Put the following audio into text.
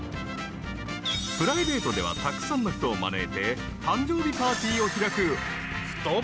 ［プライベートではたくさんの人を招いて誕生日パーティーを開く太っ腹姉さん］